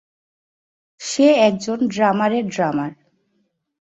সে একজন ড্রামারের ড্রামার।